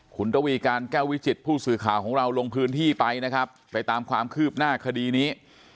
คุณระวีการแก้ววิจิตผู้สื่อข่าวของเราลงพื้นที่ไปนะครับไปตามความคืบหน้าคดีนี้